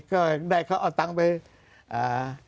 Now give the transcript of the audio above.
ก็ได้เขาเอาตังค์ไปอ่า